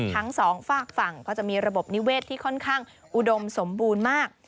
ทั้งสองฝากฝั่งก็จะมีระบบนิเวศที่ค่อนข้างอุดมสมบูรณ์มาก